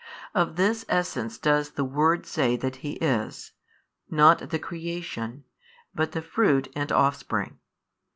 Of this Essence does the Word say that He is, not the creation, but the Fruit and Offspring.